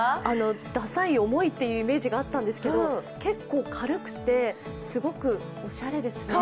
ださい重というイメージがあったんですけど結構軽くて、すごくおしゃですね。